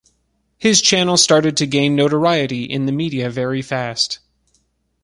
His channel started to gain notoriety in the media very fast.